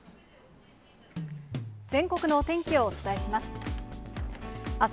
全国のお天気をお伝えします。